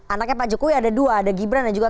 anaknya pak jokowi ada dua ada gibran dan juga